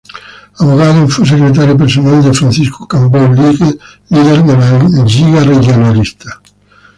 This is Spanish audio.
Abogado, fue secretario personal de Francisco Cambó, líder de la Lliga Regionalista.